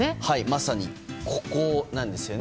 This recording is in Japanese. まさに、ここなんです。